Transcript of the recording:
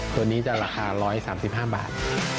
ตัวนี้จะราคา๑๓๕บาท